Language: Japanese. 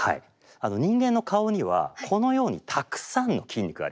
人間の顔にはこのようにたくさんの筋肉があります。